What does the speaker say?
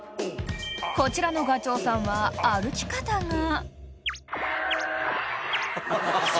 ［こちらのガチョウさんは歩き方が］